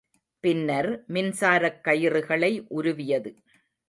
பின்னர் மின்சாரக் கயிறுகளை உருவியது.